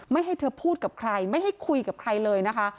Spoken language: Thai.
ไม่ให้เธอพูดกับใครไม่ให้คุยกับใครเลยนะคะ